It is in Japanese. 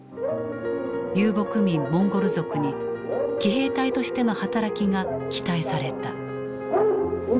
遊牧民モンゴル族に騎兵隊としての働きが期待された。